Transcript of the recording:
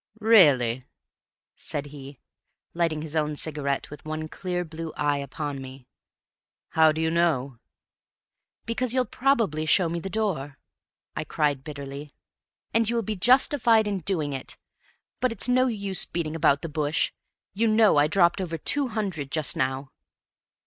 "Really?" said he, lighting his own cigarette with one clear blue eye upon me. "How do you know?" "Because you'll probably show me the door," I cried bitterly; "and you will be justified in doing it! But it's no use beating about the bush. You know I dropped over two hundred just now?"